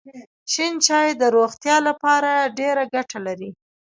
شین چای د روغتیا لپاره ډېره ګټه لري.